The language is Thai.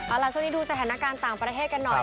เอาล่ะช่วงนี้ดูสถานการณ์ต่างประเทศกันหน่อย